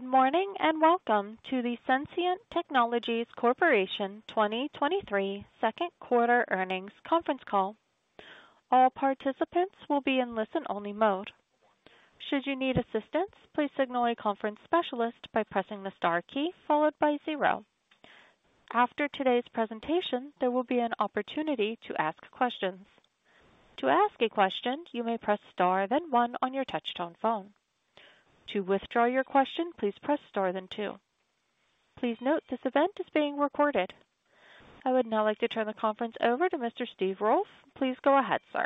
Good morning, and welcome to the Sensient Technologies Corporation 2023 Q3 Earnings Conference Call. All participants will be in listen-only mode. Should you need assistance, please signal a conference specialist by pressing the Star key followed by 0. After today's presentation, there will be an opportunity to ask questions. To ask a question, you may press Star, then 1 on your touchtone phone. To withdraw your question, please press Star, then 2. Please note, this event is being recorded. I would now like to turn the conference over to Mr. Steve Rolfs. Please go ahead, sir.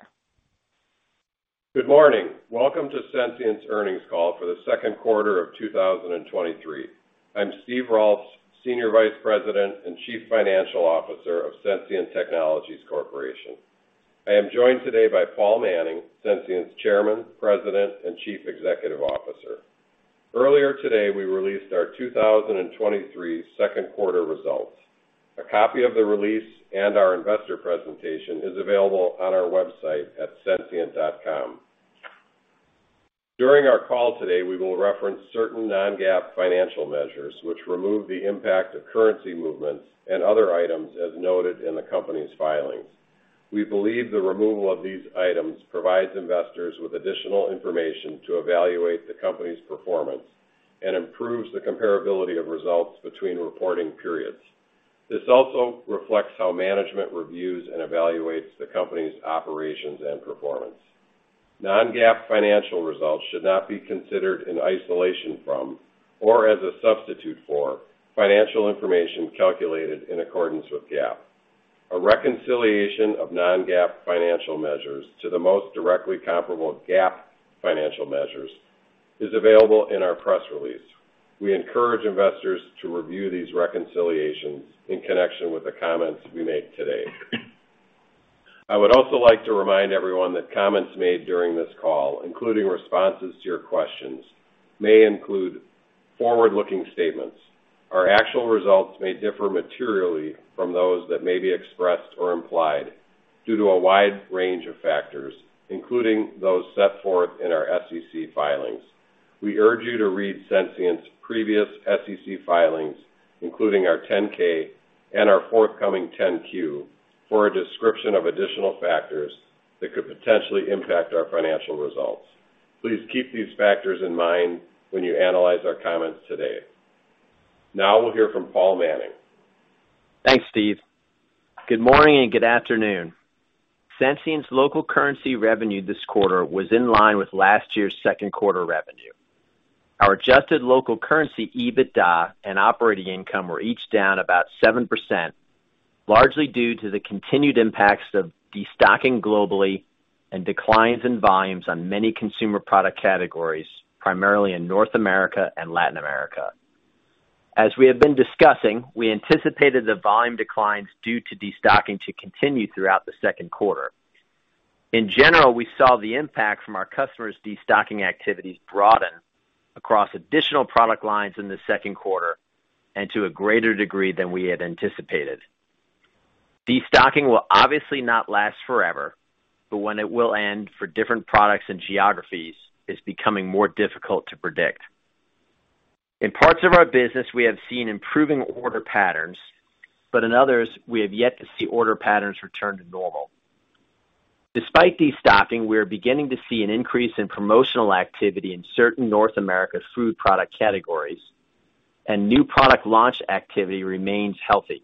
Good morning. Welcome to Sensient's Earnings Call for the Q2 of 2023. I'm Steve Rolfs, Senior Vice President and Chief Financial Officer of Sensient Technologies Corporation. I am joined today by Paul Manning, Sensient's Chairman, President, and Chief Executive Officer. Earlier today, we released our 2023 Q2 results. A copy of the release and our Investor presentation is available on our website at sensient.com. During our call today, we will reference certain non-GAAP financial measures, which remove the impact of currency movements and other items as noted in the company's filings. We believe the removal of these items provides Investors with additional information to evaluate the company's performance and improves the comparability of results between reporting periods. This also reflects how management reviews and evaluates the company's operations and performance. Non-GAAP financial results should not be considered in isolation from, or as a substitute for, financial information calculated in accordance with GAAP. A reconciliation of non-GAAP financial measures to the most directly comparable GAAP financial measures is available in our press release. We encourage Investors to review these reconciliations in connection with the comments we make today. I would also like to remind everyone that comments made during this call, including responses to your questions, may include forward-looking statements. Our actual results may differ materially from those that may be expressed or implied due to a wide range of factors, including those set forth in our SEC filings. We urge you to read Sensient's previous SEC filings, including our 10-K and our forthcoming 10-Q, for a description of additional factors that could potentially impact our financial results. Please keep these factors in mind when you analyze our comments today. Now we'll hear from Paul Manning. Thanks, Steve. Good morning and good afternoon. Sensient's local currency revenue this quarter was in line with last year's Q2 revenue. Our adjusted local currency, EBITDA, and operating income were each down about 7%, largely due to the continued impacts of destocking globally and declines in volumes on many consumer product categories, primarily in North America and Latin America. As we have been discussing, we anticipated the volume declines due to destocking to continue throughout the Q2. In general, we saw the impact from our customers' destocking activities broaden across additional product lines in the Q2 and to a greater degree than we had anticipated. Destocking will obviously not last forever, but when it will end for different products and geographies is becoming more difficult to predict. In parts of our business, we have seen improving order patterns. In others, we have yet to see order patterns return to normal. Despite destocking, we are beginning to see an increase in promotional activity in certain North America Food product categories. New product launch activity remains healthy.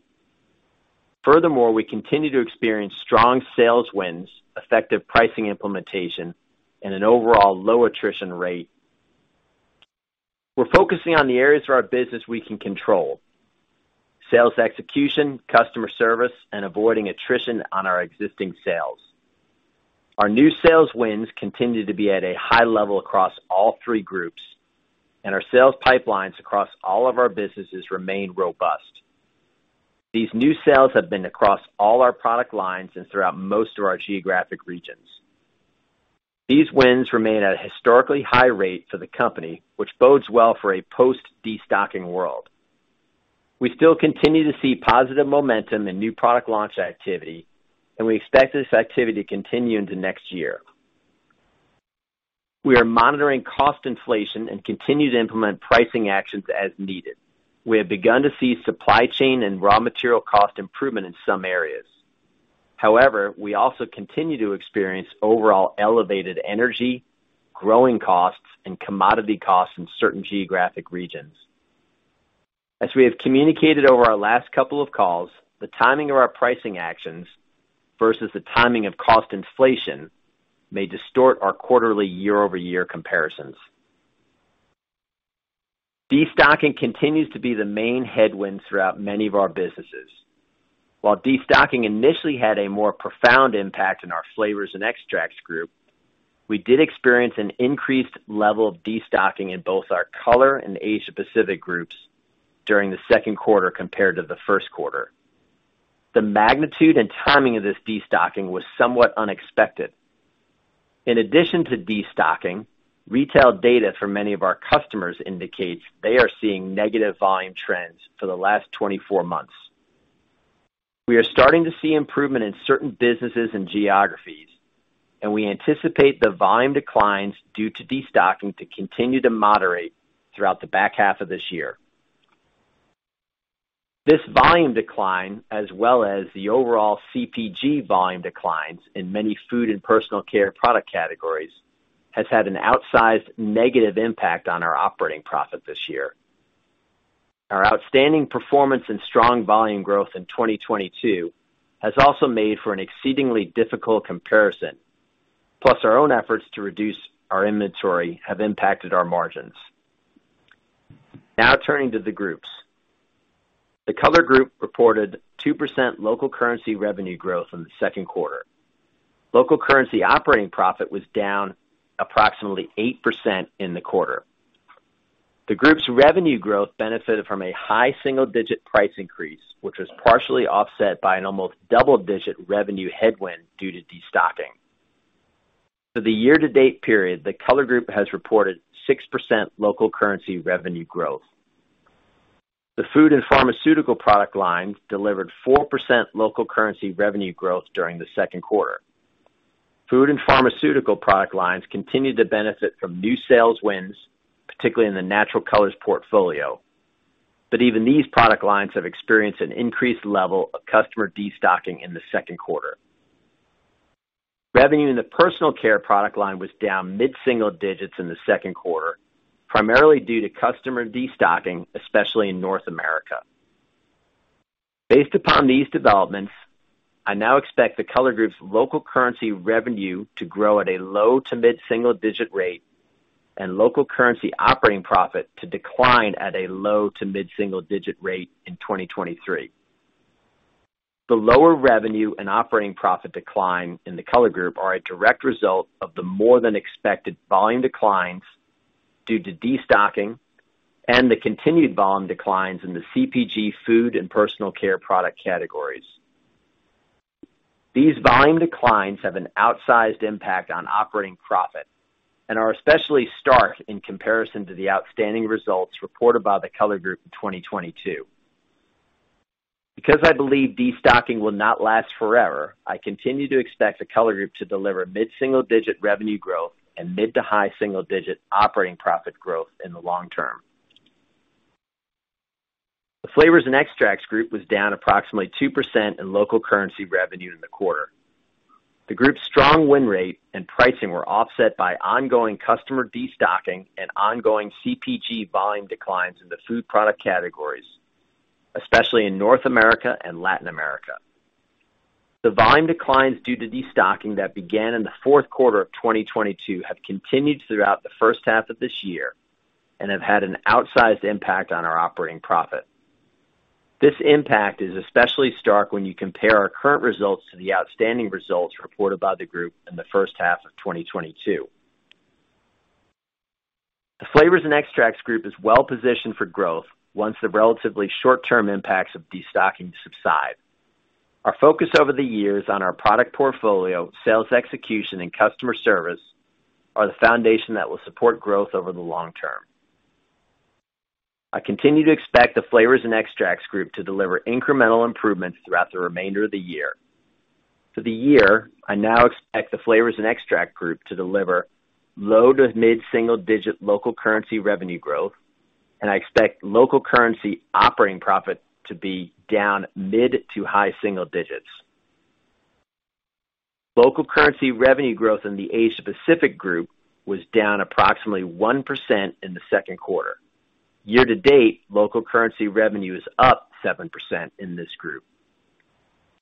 Furthermore, we continue to experience strong sales wins, effective pricing implementation, and an overall low attrition rate. We're focusing on the areas of our business we can control: sales execution, customer service, and avoiding attrition on our existing sales. Our new sales wins continue to be at a high level across all three groups. Our sales pipelines across all of our businesses remain robust. These new sales have been across all our product lines and throughout most of our geographic regions. These wins remain at a historically high rate for the company, which bodes well for a post-destocking world. We still continue to see positive momentum in new product launch activity, and we expect this activity to continue into next year. We are monitoring cost inflation and continue to implement pricing actions as needed. We have begun to see supply chain and raw material cost improvement in some areas. However, we also continue to experience overall elevated energy, growing costs, and commodity costs in certain geographic regions. As we have communicated over our last couple of calls, the timing of our pricing actions versus the timing of cost inflation may distort our quarterly year-over-year comparisons. Destocking continues to be the main headwind throughout many of our businesses. While destocking initially had a more profound impact in our Flavors and Extracts Group, we did experience an increased level of destocking in both our Color and Asia Pacific groups during the Q2 compared to the Q1. The magnitude and timing of this destocking was somewhat unexpected. In addition to destocking, retail data for many of our customers indicates they are seeing negative volume trends for the last 24 months. We are starting to see improvement in certain businesses and geographies, and we anticipate the volume declines due to destocking to continue to moderate throughout the back half of this year. This volume decline, as well as the overall CPG volume declines in many Food and Personal Care product categories, has had an outsized negative impact on our operating profit this year. Our outstanding performance and strong volume growth in 2022 has also made for an exceedingly difficult comparison. Plus, our own efforts to reduce our inventory have impacted our margins. Now turning to the groups. The Color Group reported 2% local currency revenue growth in the Q2. Local currency operating profit was down approximately 8% in the quarter. The Color Group's revenue growth benefited from a high single-digit price increase, which was partially offset by an almost double-digit revenue headwind due to destocking. For the year-to-date period, the Color Group has reported 6% local currency revenue growth. The Food and Pharmaceutical product lines delivered 4% local currency revenue growth during the Q2. Food and Pharmaceutical product lines continued to benefit from new sales wins, particularly in the Natural Colors portfolio, but even these product lines have experienced an increased level of customer destocking in the Q2. Revenue in the Personal Care product line was down mid-single digits in the Q2, primarily due to customer destocking, especially in North America. Based upon these developments, I now expect the Color Group's local currency revenue to grow at a low to mid-single-digit rate and local currency operating profit to decline at a low to mid-single-digit rate in 2023. The lower revenue and operating profit decline in the Color Group are a direct result of the more than expected volume declines due to destocking and the continued volume declines in the CPG Food and Personal Care product categories. These volume declines have an outsized impact on operating profit and are especially stark in comparison to the outstanding results reported by the Color Group in 2022. Because I believe destocking will not last forever, I continue to expect the Color Group to deliver mid-single-digit revenue growth and mid to high single-digit operating profit growth in the long term. The Flavors and Extracts Group was down approximately 2% in local currency revenue in the quarter. The group's strong win rate and pricing were offset by ongoing customer destocking and ongoing CPG volume declines in the Food product categories, especially in North America and Latin America. The volume declines due to destocking that began in the Q4 of 2022 have continued throughout the first half of this year and have had an outsized impact on our operating profit. This impact is especially stark when you compare our current results to the outstanding results reported by the group in the first half of 2022. The Flavors and Extracts Group is well positioned for growth once the relatively short-term impacts of destocking subside. Our focus over the years on our product portfolio, sales execution, and customer service are the foundation that will support growth over the long term. I continue to expect the Flavors and Extracts Group to deliver incremental improvements throughout the remainder of the year. For the year, I now expect the Flavors and Extracts Group to deliver low to mid-single-digit local currency revenue growth, and I expect local currency operating profit to be down mid to high single-digits. Local currency revenue growth in the Asia Pacific Group was down approximately 1% in the Q2. Year to date, local currency revenue is up 7% in this group.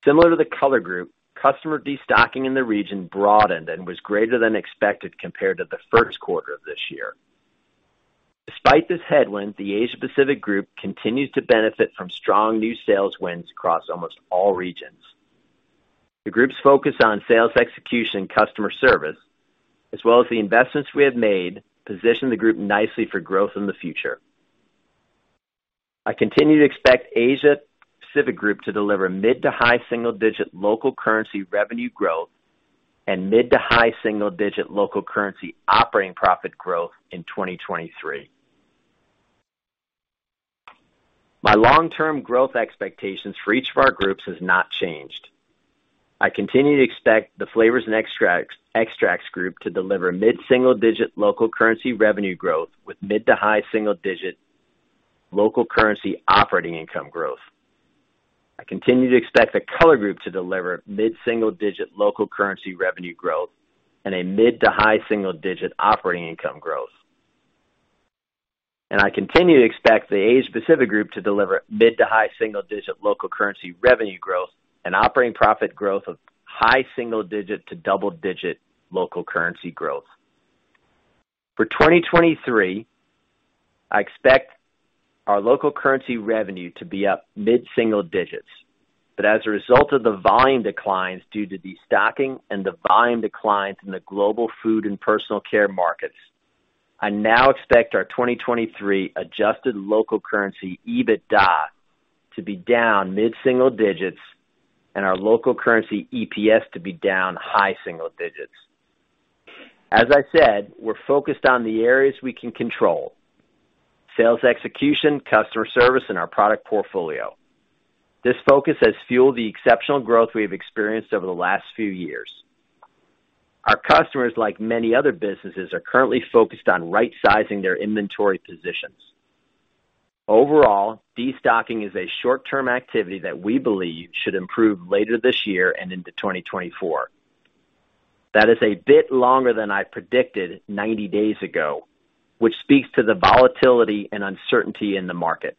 Similar to the Color Group, customer destocking in the region broadened and was greater than expected compared to the Q1 of this year. Despite this headwind, the Asia Pacific Group continues to benefit from strong new sales wins across almost all regions. The group's focus on sales execution, customer service, as well as the investments we have made, position the group nicely for growth in the future. I continue to expect Asia Pacific Group to deliver mid to high single-digit local currency revenue growth and mid to high single-digit local currency operating profit growth in 2023. My long-term growth expectations for each of our groups has not changed. I continue to expect the Flavors and Extracts Group to deliver mid-single-digit local currency revenue growth, with mid to high single-digit local currency operating income growth. I continue to expect the Color Group to deliver mid-single-digit local currency revenue growth and a mid to high single-digit operating income growth. I continue to expect the Asia Pacific Group to deliver mid-to-high single-digit local currency revenue growth and operating profit growth of high single-digit to double-digit local currency growth. For 2023, I expect our local currency revenue to be up mid-single digits. As a result of the volume declines due to destocking and the volume declines in the Global Food and Personal Care markets, I now expect our 2023 adjusted local currency EBITDA to be down mid-single digits and our local currency EPS to be down high single digits. As I said, we're focused on the areas we can control: sales execution, customer service, and our product portfolio. This focus has fueled the exceptional growth we have experienced over the last few years. Our customers, like many other businesses, are currently focused on right-sizing their inventory positions. Overall, destocking is a short-term activity that we believe should improve later this year and into 2024. That is a bit longer than I predicted 90 days ago, which speaks to the volatility and uncertainty in the market.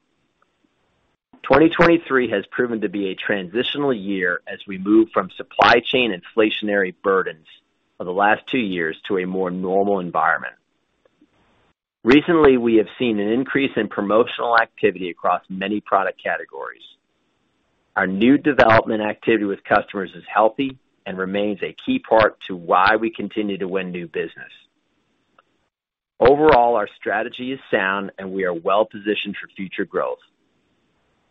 2023 has proven to be a transitional year as we move from supply chain inflationary burdens of the last 2 years to a more normal environment. Recently, we have seen an increase in promotional activity across many product categories. Our new development activity with customers is healthy and remains a key part to why we continue to win new business. Overall, our strategy is sound, and we are well positioned for future growth.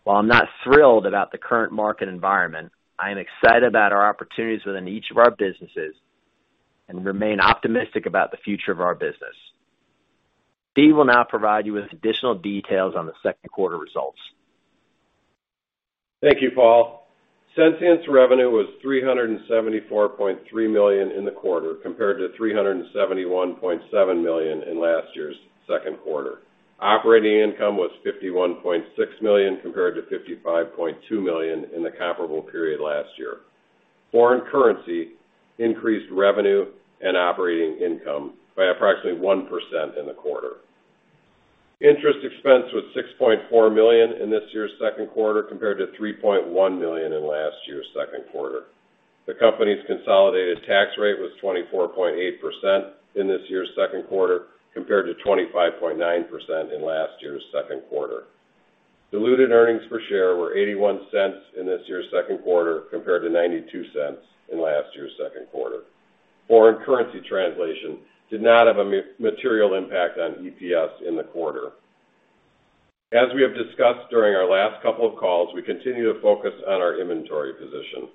While I'm not thrilled about the current market environment, I am excited about our opportunities within each of our businesses and remain optimistic about the future of our business. Steve will now provide you with additional details on the Q2 results. Thank you, Paul. Sensient's revenue was $374.3 million in the quarter, compared to $371.7 million in last year's Q2. Operating income was $51.6 million, compared to $55.2 million in the comparable period last year. Foreign currency increased revenue and operating income by approximately 1% in the quarter. Interest expense was $6.4 million in this year's Q2, compared to $3.1 million in last year's Q2. The company's consolidated tax rate was 24.8% in this year's Q2, compared to 25.9% in last year's Q2. Diluted earnings per share were $0.81 in this year's Q2, compared to $0.92 in last year's Q2. Foreign currency translation did not have a material impact on EPS in the quarter. As we have discussed during our last couple of calls, we continue to focus on our inventory position.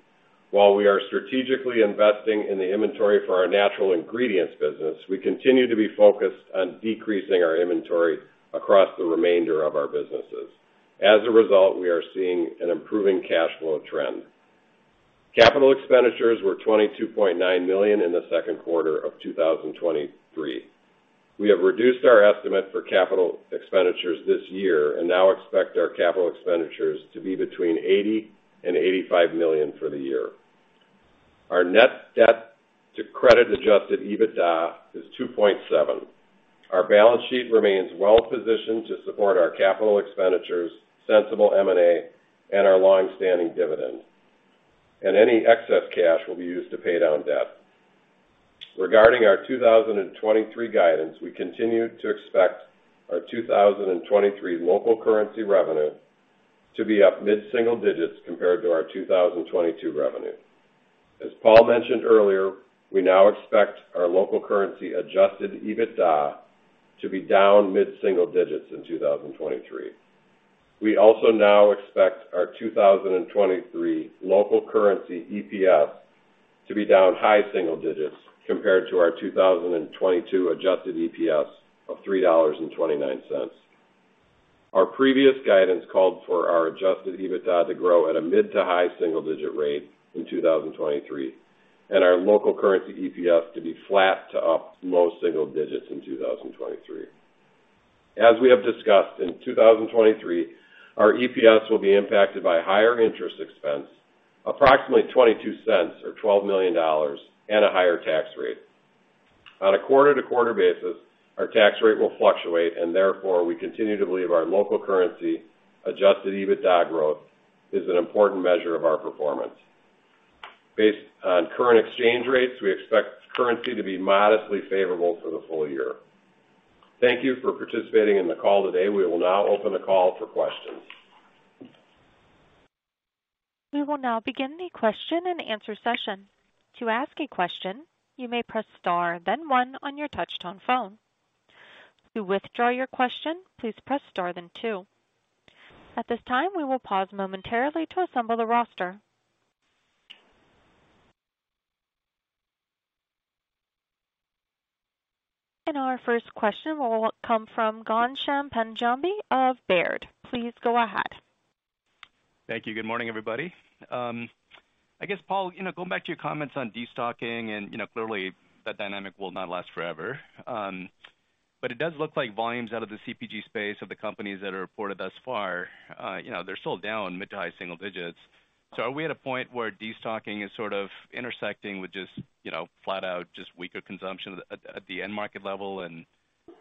While we are strategically investing in the inventory for our natural ingredients business, we continue to be focused on decreasing our inventory across the remainder of our businesses. As a result, we are seeing an improving cash flow trend. Capital expenditures were $22.9 million in Q2 2023. We have reduced our estimate for capital expenditures this year and now expect our capital expenditures to be between $80 million and $85 million for the year. Our net debt to credit-adjusted EBITDA is 2.7. Our balance sheet remains well positioned to support our capital expenditures, sensible M&A, and our long-standing dividend, and any excess cash will be used to pay down debt. Regarding our 2023 guidance, we continue to expect our 2023 local currency revenue to be up mid-single digits compared to our 2022 revenue. As Paul mentioned earlier, we now expect our local currency adjusted EBITDA to be down mid-single digits in 2023. We also now expect our 2023 local currency EPS to be down high single digits compared to our 2022 adjusted EPS of $3.29. Our previous guidance called for our adjusted EBITDA to grow at a mid to high single-digit rate in 2023, and our local currency EPS to be flat to up low single digits in 2023. As we have discussed, in 2023, our EPS will be impacted by higher interest expense, approximately $0.22 or $12 million, and a higher tax rate. On a quarter-to-quarter basis, our tax rate will fluctuate. Therefore, we continue to believe our local currency adjusted EBITDA growth is an important measure of our performance. Based on current exchange rates, we expect currency to be modestly favorable for the full year. Thank you for participating in the call today. We will now open the call for questions. We will now begin the question-and-answer session. To ask a question, you may press Star, then 1 on your touchtone phone. To withdraw your question, please press Star, then 2. At this time, we will pause momentarily to assemble the roster. Our first question will come from Ghansham Panjabi of Baird. Please go ahead. Thank you. Good morning, everybody. I guess, Paul, you know, going back to your comments on destocking, and, you know, clearly that dynamic will not last forever, but it does look like volumes out of the CPG space of the companies that are reported thus far, you know, they're still down mid to high single digits. Are we at a point where destocking is sort of intersecting with just, you know, flat out, just weaker consumption at the end market level?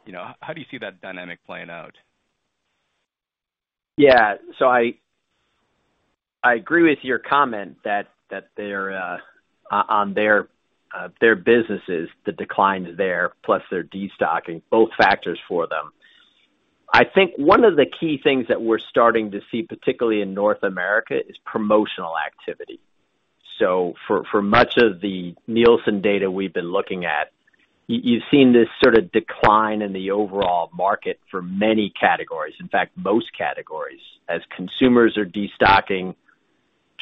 You know, how do you see that dynamic playing out? I agree with your comment that they're on their businesses, the decline is there, plus their destocking, both factors for them. I think one of the key things that we're starting to see, particularly in North America, is promotional activity. For much of the Nielsen data we've been looking at, you've seen this sort of decline in the overall market for many categories. In fact, most categories, as consumers are destocking,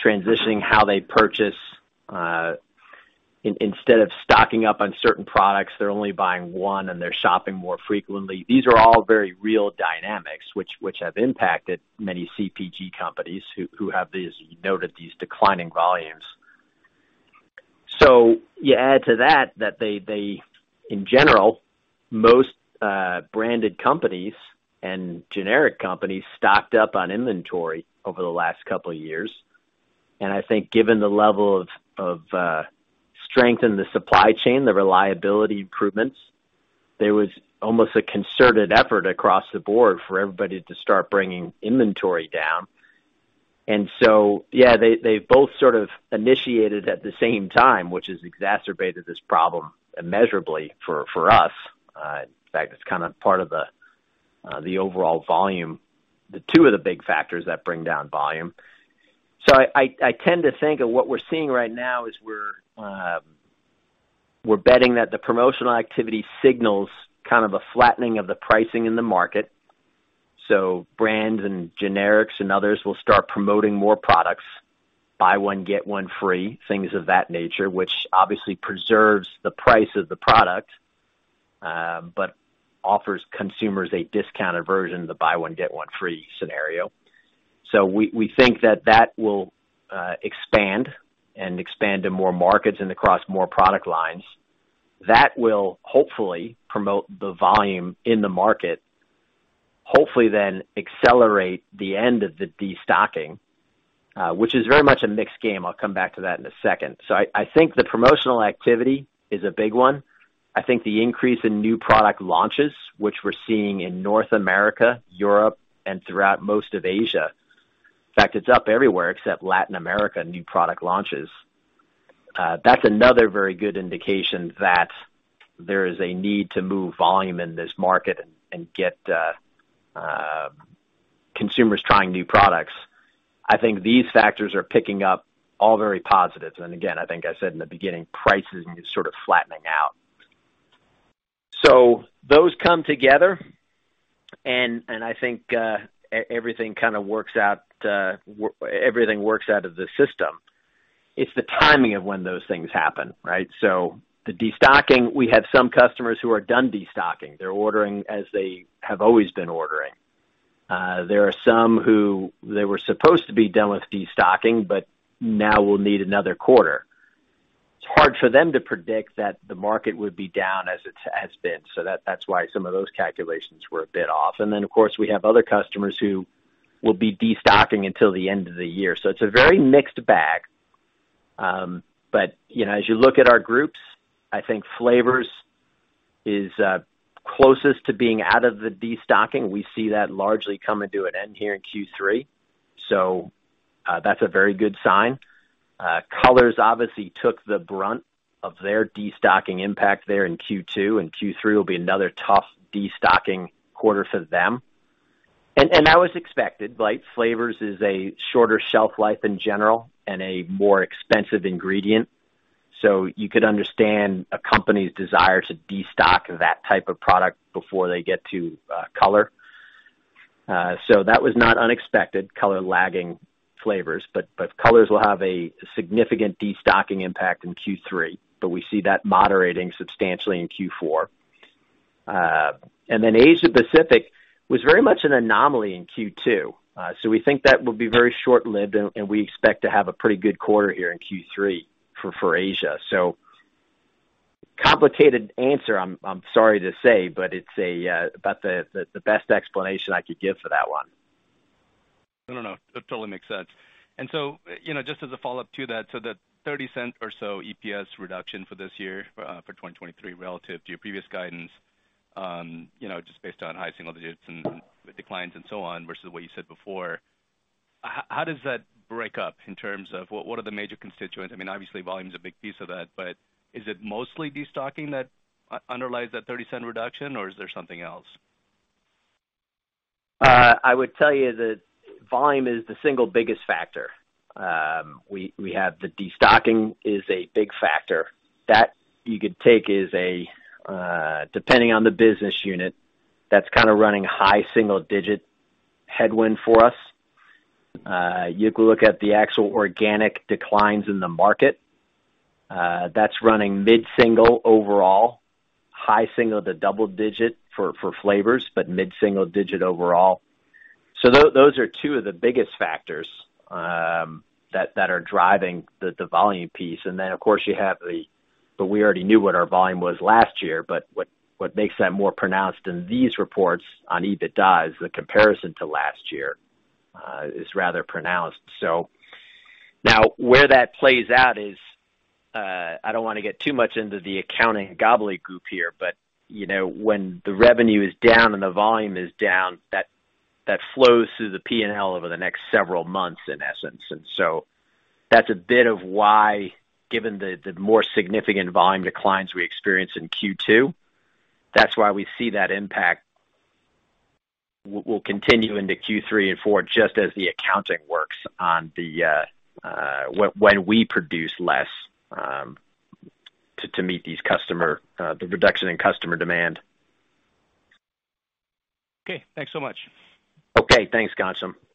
transitioning how they purchase. Instead of stocking up on certain products, they're only buying one, and they're shopping more frequently. These are all very real dynamics, which have impacted many CPG companies who have these, you noted, these declining volumes. You add to that they in general, most branded companies and generic companies stocked up on inventory over the last couple of years. I think given the level of strength in the supply chain, the reliability improvements, there was almost a concerted effort across the board for everybody to start bringing inventory down. Yeah, they both sort of initiated at the same time, which has exacerbated this problem immeasurably for us. In fact, it's kind of part of the overall volume, the two of the big factors that bring down volume. I tend to think of what we're seeing right now is we're betting that the promotional activity signals kind of a flattening of the pricing in the market. Brands and generics and others will start promoting more products, buy one, get one free, things of that nature, which obviously preserves the price of the product, but offers consumers a discounted version, the buy one, get one free scenario. We think that that will expand and expand to more markets and across more product lines. That will hopefully promote the volume in the market, hopefully then accelerate the end of the destocking, which is very much a mixed game. I'll come back to that in a second. I think the promotional activity is a big one. I think the increase in new product launches, which we're seeing in North America, Europe, and throughout most of Asia. In fact, it's up everywhere except Latin America, new product launches. That's another very good indication that there is a need to move volume in this market and get consumers trying new products. I think these factors are picking up all very positive. Again, I think I said in the beginning, prices is sort of flattening out. Those come together, and I think everything kind of works out, everything works out of the system. It's the timing of when those things happen, right? The destocking, we have some customers who are done destocking. They're ordering as they have always been ordering. There are some who they were supposed to be done with destocking, but now will need another quarter. It's hard for them to predict that the market would be down as it has been, so that's why some of those calculations were a bit off. Of course, we have other customers who will be destocking until the end of the year. It's a very mixed bag. you know, as you look at our groups, I think Flavors is closest to being out of the destocking. We see that largely coming to an end here in Q3. That's a very good sign. Colors obviously took the brunt of their destocking impact there in Q2, and Q3 will be another tough destocking quarter for them. And that was expected, right? Flavors is a shorter shelf life in general and a more expensive ingredient. you could understand a company's desire to destock that type of product before they get to Color. That was not unexpected, Color lagging Flavors, but Colors will have a significant destocking impact in Q3, but we see that moderating substantially in Q4. Then Asia Pacific was very much an anomaly in Q2. We think that will be very short-lived, and we expect to have a pretty good quarter here in Q3 for Asia. Complicated answer, I'm sorry to say, but it's about the best explanation I could give for that one. No, no, it totally makes sense. You know, just as a follow-up to that, so the $0.30 or so EPS reduction for this year, for 2023 relative to your previous guidance, you know, just based on high single digits and declines and so on versus what you said before, how does that break up in terms of what are the major constituents? I mean, obviously, volume is a big piece of that, but is it mostly destocking that underlies that $0.30 reduction, or is there something else? I would tell you that volume is the single biggest factor. We have the destocking is a big factor. That you could take is a, depending on the business unit, that's kind of running high single-digit headwind for us. You could look at the actual organic declines in the market. That's running mid-single overall, high single-digit to double-digit for flavors, but mid-single-digit overall. Those are two of the biggest factors that are driving the volume piece. Then, of course, you have the... We already knew what our volume was last year, but what makes that more pronounced in these reports on EBITDA is the comparison to last year is rather pronounced. Now, where that plays out is, I don't want to get too much into the accounting gobbly goop here, but, you know, when the revenue is down and the volume is down, that flows through the P&L over the next several months, in essence. That's a bit of why, given the more significant volume declines we experienced in Q2, that's why we see that impact will continue into Q3 and Q4, just as the accounting works on the, when we produce less, to meet these customer, the reduction in customer demand. Okay, thanks so much. Okay, thanks, Ghansham. Mm-hmm.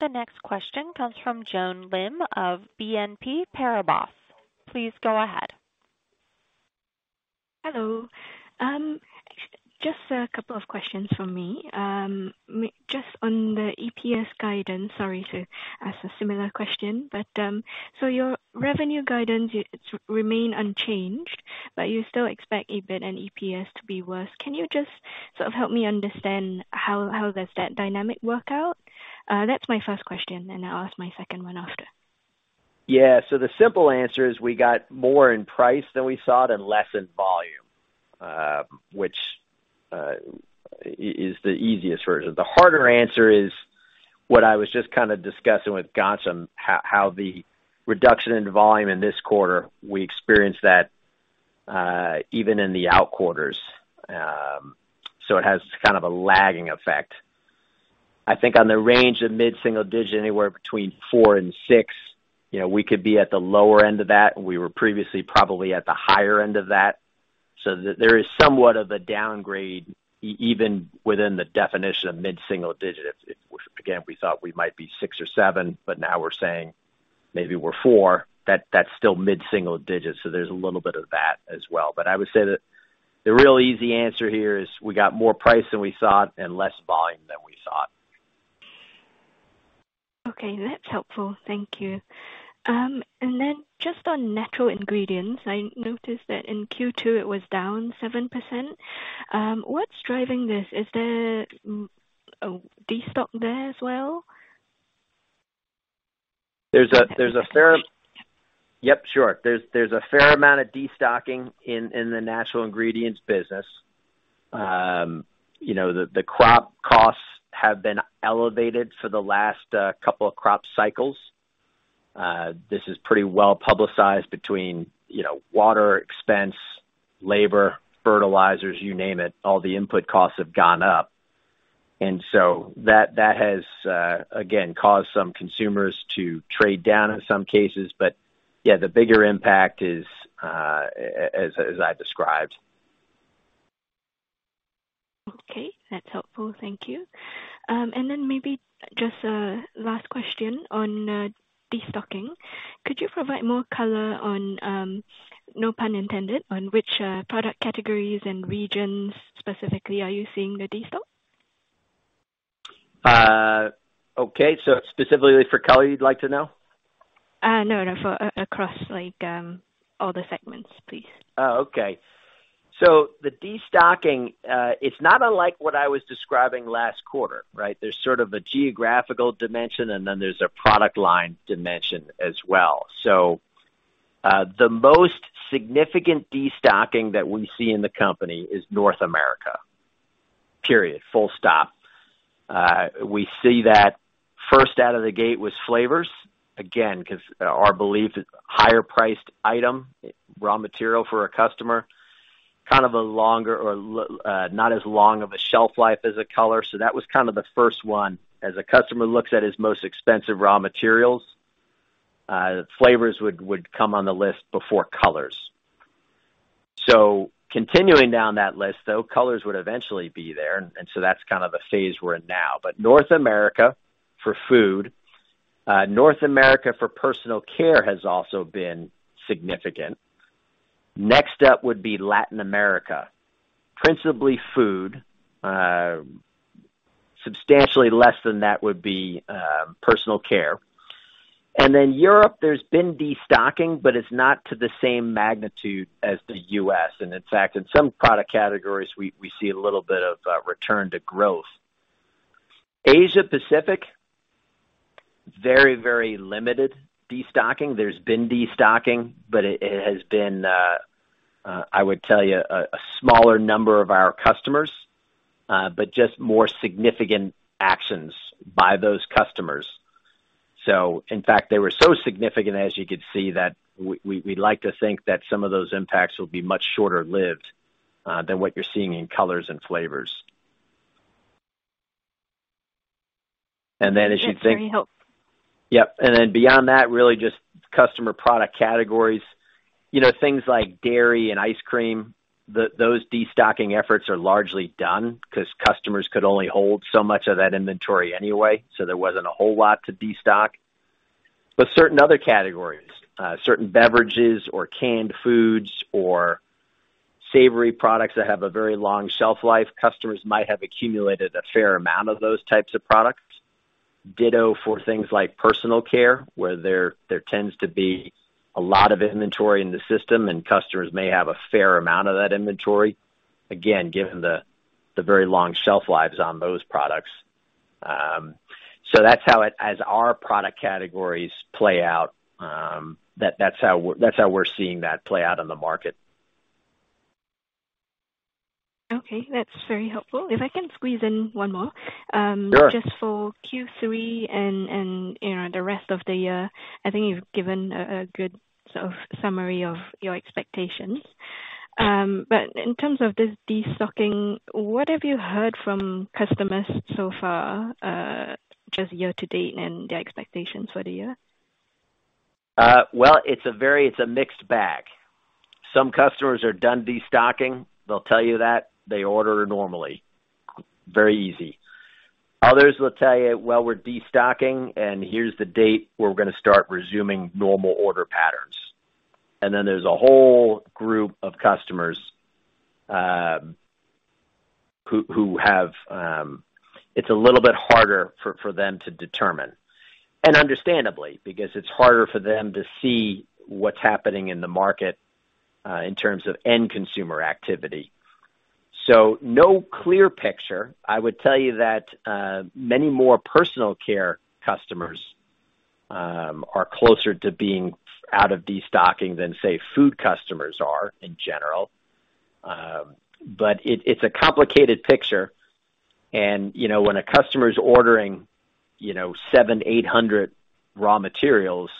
The next question comes from Joanne Lim of BNP Paribas. Please go ahead. Hello. Just a couple of questions from me. Just on the EPS guidance. Sorry to ask a similar question. Your revenue guidance remain unchanged, but you still expect EBIT and EPS to be worse. Can you just sort of help me understand how does that dynamic work out? That's my first question, and I'll ask my second one after. The simple answer is, we got more in price than we thought and less in volume, which is the easiest version. The harder answer is what I was just kind of discussing with Ghansham, how the reduction in volume in this quarter, we experienced that even in the out quarters. It has kind of a lagging effect. I think on the range of mid-single digit, anywhere between 4 and 6, you know, we could be at the lower end of that. We were previously probably at the higher end of that. There is somewhat of a downgrade even within the definition of mid-single digit. If, again, we thought we might be 6 or 7, but now we're saying maybe we're 4, that's still mid-single digits, there's a little bit of that as well. I would say that the real easy answer here is we got more price than we thought and less volume than we thought. Okay, that's helpful. Thank you. Just on natural ingredients, I noticed that in Q2 it was down 7%. What's driving this? Is there a destock there as well? Yep, sure. There's a fair amount of destocking in the natural ingredients business. You know, the crop costs have been elevated for the last couple of crop cycles. This is pretty well publicized between, you know, water, expense, labor, fertilizers, you name it, all the input costs have gone up. So that has again caused some consumers to trade down in some cases. Yeah, the bigger impact is as I described. Okay, that's helpful. Thank you. Maybe just a last question on destocking. Could you provide more color on, no pun intended, on which product categories and regions specifically are you seeing the destock? Okay, specifically for Color, you'd like to know? No, for across, like, all the segments, please. Okay. The destocking, it's not unlike what I was describing last quarter, right? There's sort of a geographical dimension, then there's a product line dimension as well. The most significant destocking that we see in the company is North America. Period. Full stop. We see that first out of the gate with flavors. Again, 'cause our belief is higher priced item, raw material for a customer, kind of a longer not as long of a shelf life as a Color. That was kind of the first one. As a customer looks at his most expensive raw materials, Flavors would come on the list before Colors. Continuing down that list, though, Colors would eventually be there, that's kind of the phase we're in now. North America for Food, North America for Personal Care has also been significant. Next up would be Latin America, principally Food. Substantially less than that would be Personal Care. Europe, there's been destocking, but it's not to the same magnitude as the U.S. In fact, in some product categories, we see a little bit of return to growth. Asia Pacific, very limited destocking. There's been destocking, but it has been, I would tell you, a smaller number of our customers, but just more significant actions by those customers. In fact, they were so significant, as you could see, that we'd like to think that some of those impacts will be much shorter-lived than what you're seeing in Colors and Flavors. As you'd think- Very helpful. Yep. Beyond that, really just customer product categories. You know, things like dairy and ice cream, those destocking efforts are largely done because customers could only hold so much of that inventory anyway, so there wasn't a whole lot to destock. Certain other categories, certain beverages or canned foods or savory products that have a very long shelf life, customers might have accumulated a fair amount of those types of products. Ditto for things like Personal Care, where there tends to be a lot of inventory in the system, and customers may have a fair amount of that inventory. Again, given the very long shelf lives on those products. That's how as our product categories play out, that's how we're seeing that play out in the market. Okay, that's very helpful. If I can squeeze in one more? Sure. Just for Q3 and, you know, the rest of the year, I think you've given a good sort of summary of your expectations. In terms of this destocking, what have you heard from customers so far, just year to date and their expectations for the year? Well, it's a mixed bag. Some customers are done destocking. They'll tell you that. They order normally, very easy. Others will tell you: "Well, we're destocking, and here's the date where we're going to start resuming normal order patterns." Then there's a whole group of customers, who have. It's a little bit harder for them to determine, and understandably, because it's harder for them to see what's happening in the market, in terms of end consumer activity. No clear picture. I would tell you that, many more Personal Care customers, are closer to being out of destocking than, say, Food customers are in general. It's a complicated picture. You know, when a customer is ordering, you know, 700, 800 raw materials,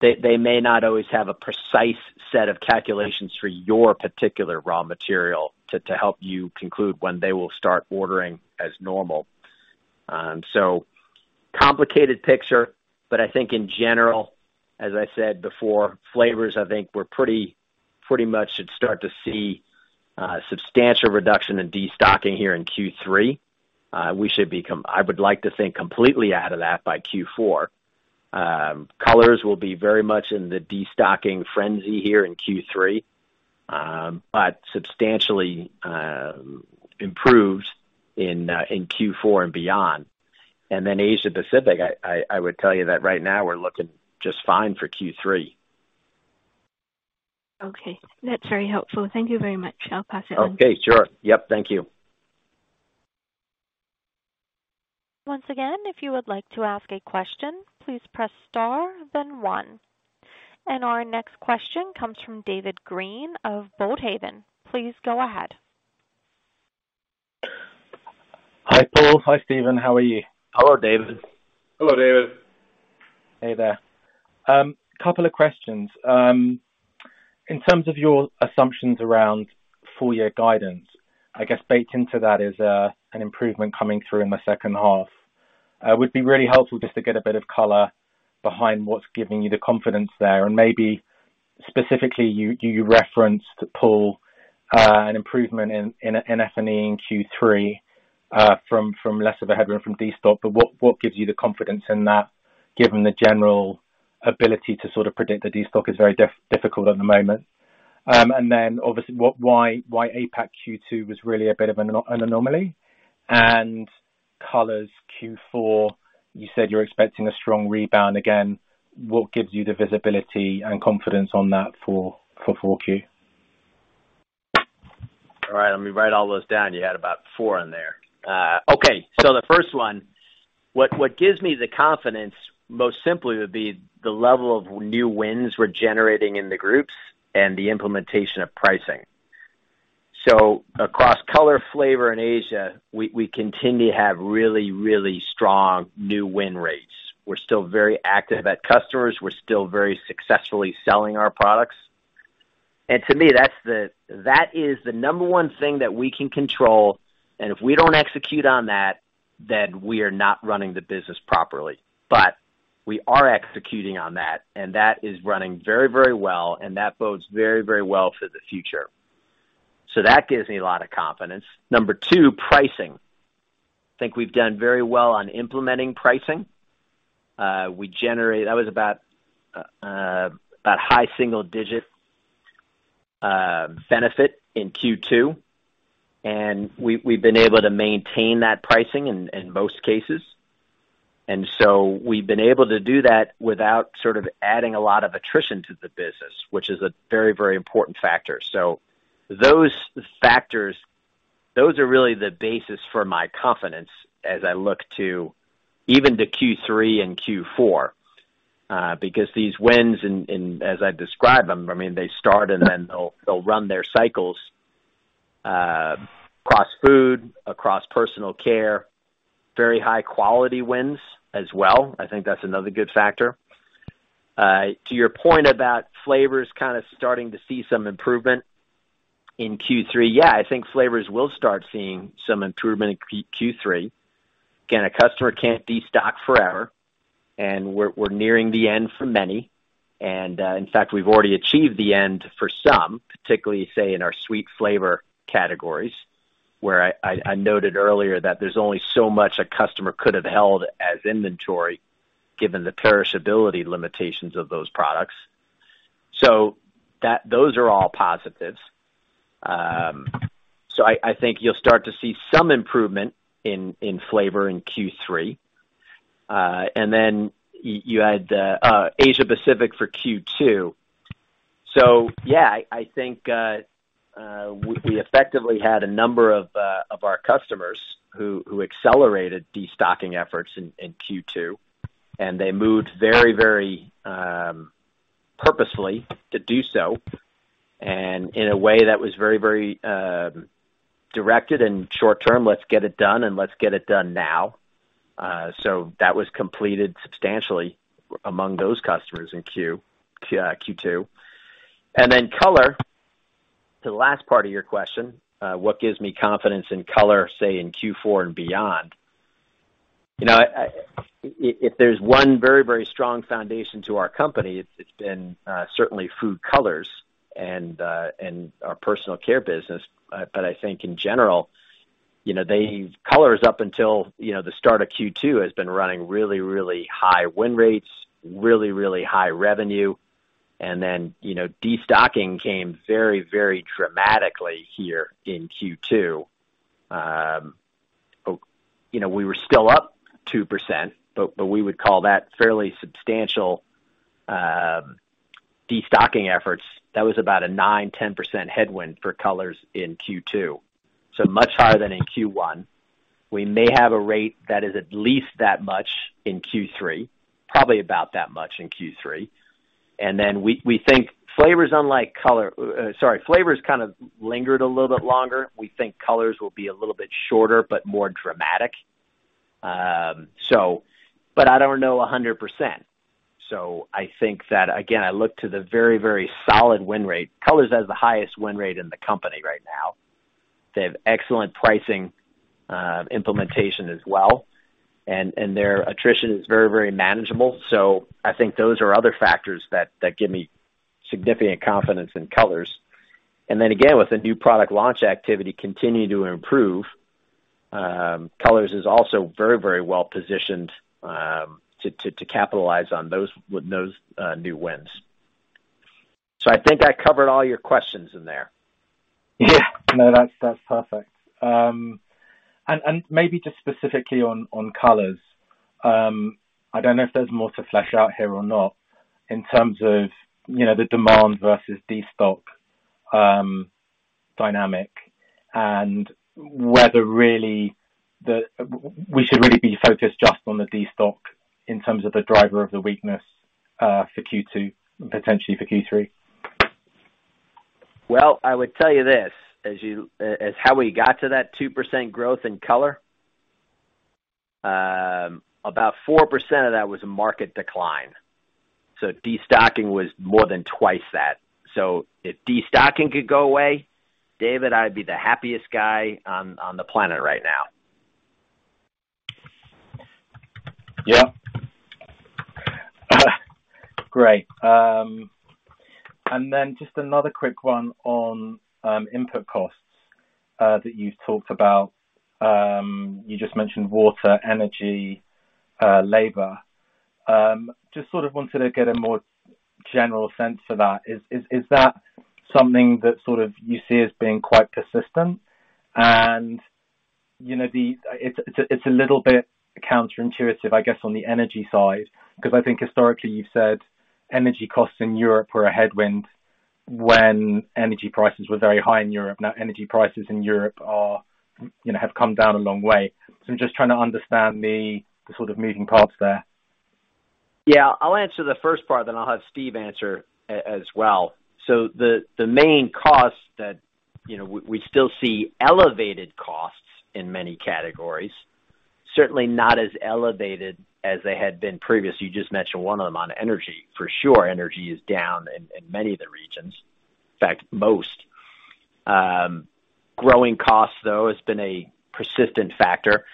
they may not always have a precise set of calculations for your particular raw material to help you conclude when they will start ordering as normal. Complicated picture, but I think in general, as I said before, Flavors, I think we're pretty much should start to see substantial reduction in destocking here in Q3. We should be I would like to think, completely out of that by Q4. Colors will be very much in the destocking frenzy here in Q3, but substantially improved in Q4 and beyond. Then Asia Pacific, I would tell you that right now we're looking just fine for Q3. Okay, that's very helpful. Thank you very much. I'll pass it on. Okay, sure. Yep. Thank you. Once again, if you would like to ask a question, please press Star, then 1. Our next question comes from David Green of Boldhaven. Please go ahead. Hi, Paul. Hi, Steve. How are you? Hello, David. Hello, David. Hey there. Couple of questions. In terms of your assumptions around full year guidance, I guess baked into that is an improvement coming through in the second half. It would be really helpful just to get a bit of color behind what's giving you the confidence there. Maybe specifically, you referenced, Paul, an improvement in F&E in Q3 from less of a headroom from destock. What gives you the confidence in that, given the general ability to sort of predict the destock is very difficult at the moment? Obviously, why APAC Q2 was really a bit of an anomaly and Colors Q4, you said you're expecting a strong rebound. Again, what gives you the visibility and confidence on that for Q4? All right, let me write all those down. You had about 4 in there. Okay, the first one, what gives me the confidence, most simply, would be the level of new wins we're generating in the groups and the implementation of pricing. Across Color, Flavor, and Asia, we continue to have really strong new win rates. We're still very active at customers. We're still very successfully selling our products. To me, that is the number one thing that we can control, and if we don't execute on that, then we are not running the business properly. We are executing on that, and that is running very well, and that bodes very well for the future. That gives me a lot of confidence. Number two, pricing. I think we've done very well on implementing pricing. We generate that was about high single digit benefit in Q2, and we've been able to maintain that pricing in most cases. We've been able to do that without sort of adding a lot of attrition to the business, which is a very important factor. Those factors, those are really the basis for my confidence as I look to even to Q3 and Q4, because these wins in, as I describe them, I mean, they start and then they'll run their cycles, across Food, across Personal Care, very high quality wins as well. I think that's another good factor. To your point about Flavors kind of starting to see some improvement in Q3, yeah, I think Flavors will start seeing some improvement in Q3. A customer can't destock forever, and we're nearing the end for many. In fact, we've already achieved the end for some, particularly, say, in our sweet flavor categories, where I noted earlier that there's only so much a customer could have held as inventory, given the perishability limitations of those products. Those are all positives. I think you'll start to see some improvement in Flavor in Q3. Then y-you had the Asia Pacific for Q2. Yeah, I think, we effectively had a number of our customers who accelerated destocking efforts in Q2, and they moved very, very purposefully to do so, and in a way that was very, very directed and short term. Let's get it done and let's get it done now. So that was completed substantially among those customers in Q2. To the last part of your question, what gives me confidence in Color, say, in Q4 and beyond? You know, if there's one very, very strong foundation to our company, it's been certainly Food Colors and our Personal Care business. I think in general, you know, Colors, up until, you know, the start of Q2, has been running really, really high win rates, really, really high revenue. You know, destocking came very, very dramatically here in Q2. Oh, you know, we were still up 2%, but we would call that fairly substantial destocking efforts. That was about a 9%-10% headwind for Colors in Q2, so much higher than in Q1. We may have a rate that is at least that much in Q3, probably about that much in Q3. Then we think Flavors, unlike Color, sorry, Flavors kind of lingered a little bit longer. We think Colors will be a little bit shorter, but more dramatic. But I don't know 100%. I think that, again, I look to the very, very solid win rate. Colors has the highest win rate in the company right now. They have excellent pricing, implementation as well, and their attrition is very, very manageable. I think those are other factors that give me significant confidence in Colors. Then again, with the new product launch activity continuing to improve, Colors is also very, very well positioned to capitalize on those, with those new wins. I think I covered all your questions in there. Yeah. No, that's perfect. Maybe just specifically on Colors. I don't know if there's more to flesh out here or not in terms of, you know, the demand versus destock dynamic and whether really we should really be focused just on the destock in terms of the driver of the weakness for Q2, potentially for Q3. Well, I would tell you this, as how we got to that 2% growth in Color, about 4% of that was a market decline. Destocking was more than twice that. If destocking could go away, David, I'd be the happiest guy on the planet right now. Yeah. Great. Then just another quick one on input costs that you talked about. You just mentioned water, energy, labor. Just sort of wanted to get a more general sense for that. Is that something that sort of you see as being quite persistent? You know, It's a little bit counterintuitive, I guess, on the energy side, because I think historically you've said energy costs in Europe were a headwind when energy prices were very high in Europe. Now, energy prices in Europe are, you know, have come down a long way. I'm just trying to understand the sort of moving parts there. Yeah. I'll answer the first part, then I'll have Steve answer as well. The main costs that, you know, we still see elevated costs in many categories, certainly not as elevated as they had been previous. You just mentioned one of them, on energy. For sure, energy is down in many of the regions. In fact, most. Growing costs, though, has been a persistent factor.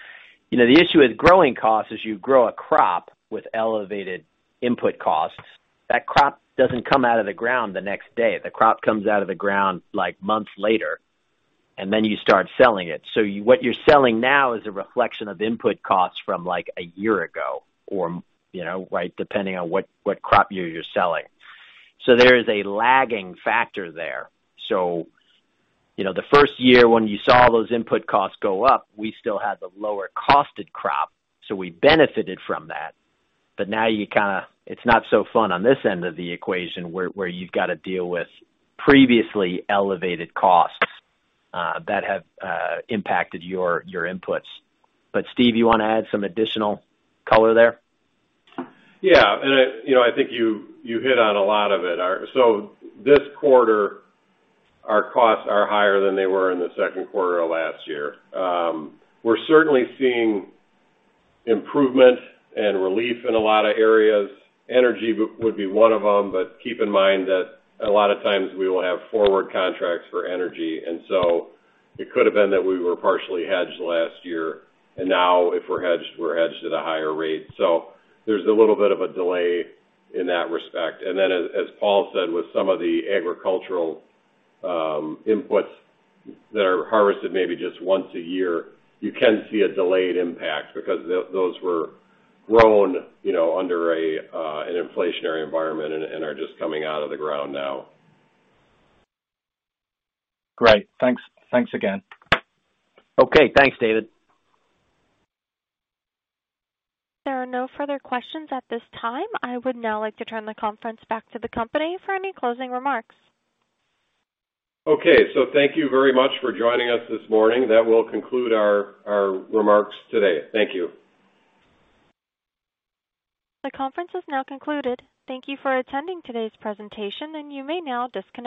You know, the issue with growing costs, as you grow a crop with elevated input costs, that crop doesn't come out of the ground the next day. The crop comes out of the ground, like, months later, and then you start selling it. What you're selling now is a reflection of input costs from, like, a year ago, or, you know, right, depending on what crop year you're selling. There is a lagging factor there. You know, the first year when you saw those input costs go up, we still had the lower costed crop, so we benefited from that. Now you kind of, it's not so fun on this end of the equation, where you've got to deal with previously elevated costs that have impacted your inputs. Steve, you want to add some additional color there? Yeah. you know, I think you hit on a lot of it. This quarter, our costs are higher than they were in the Q2 of last year. We're certainly seeing improvement and relief in a lot of areas. Energy would be one of them, but keep in mind that a lot of times we will have forward contracts for energy, and so it could have been that we were partially hedged last year, and now if we're hedged, we're hedged at a higher rate. There's a little bit of a delay in that respect. Then, as Paul said, with some of the agricultural inputs that are harvested, maybe just once a year, you can see a delayed impact because those were grown, you know, under an inflationary environment and are just coming out of the ground now. Great. Thanks. Thanks again. Okay. Thanks, David. There are no further questions at this time. I would now like to turn the conference back to the company for any closing remarks. Thank you very much for joining us this morning. That will conclude our remarks today. Thank you. The conference is now concluded. Thank you for attending today's presentation. You may now disconnect.